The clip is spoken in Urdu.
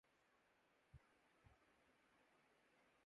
اس سے چار گلاس تیار ہوسکتے ہیں، ڈیڑھ گلاس ایک وقت کے کھانے کے لئے کافی ہیں۔